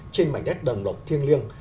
trên mảnh đất đồng lộc thiêng liêng